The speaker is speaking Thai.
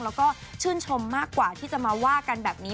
แล้วก็ชื่นชมมากกว่าที่จะมาว่ากันแบบนี้